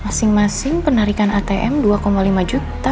masing masing penarikan atm dua lima juta